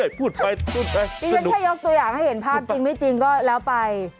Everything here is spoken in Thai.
นี่ฉันแค่ยกตัวอย่างให้เห็นภาพจริงไม่จริงก็แล้วไป